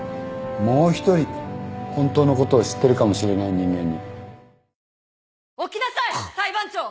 もう一人本当のことを知ってるかもしれない人間に。